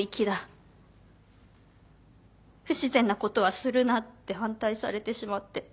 「不自然なことはするな」って反対されてしまって。